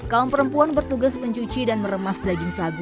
kaum perempuan bertugas mencuci dan meremas daging sagu